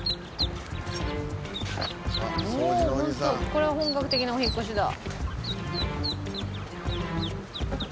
これは本格的なお引っ越しだ。